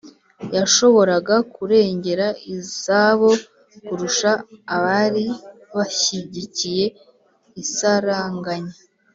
yashoboraga kurengera izabo kurusha abari bashyigikiye isaranganya